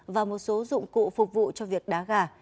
và một số dụng cụ phục vụ cho việc đá gà